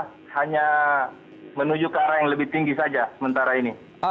kita hanya menuju ke arah yang lebih tinggi saja sementara ini